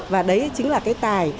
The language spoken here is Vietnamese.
và đấy chính là cái tài